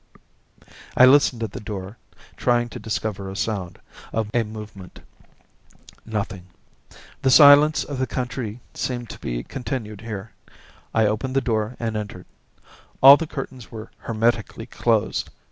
I listened at the door, trying to discover a sound, a movement. Nothing. The silence of the country seemed to be continued here. I opened the door and entered. All the curtains were hermetically closed.